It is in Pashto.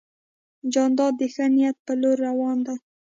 جانداد د ښه نیت په لور روان دی.